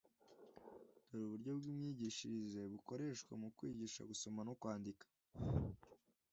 dore uburyo bw’imyigishirize bukoreshwa mu kwigisha gusoma no kwandika